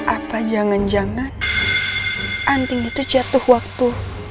apa jangan jangan anting itu jatuh waktu